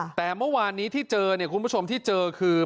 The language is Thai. และท่าเมื่อวานนี้ที่เจอคุณผู้ชมที่เจอคือ